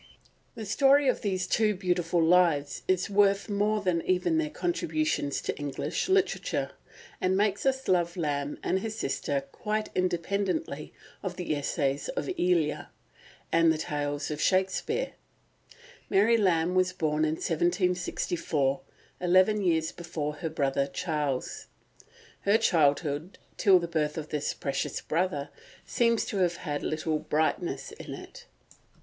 The story of these two beautiful lives is worth more than even their contributions to English literature, and makes us love Lamb and his sister quite independently of the Essays of Elia, and the Tales from Shakespeare. Mary Lamb was born in 1764, eleven years before her brother Charles. Her childhood, till the birth of this precious brother, seems to have had little brightness in it.